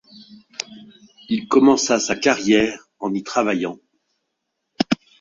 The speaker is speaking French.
Il commença sa carrière en y travaillant.